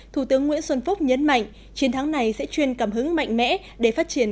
thủ tướng nguyễn xuân phúc nhấn mạnh chiến thắng này sẽ chuyên cảm hứng mạnh mẽ để phát triển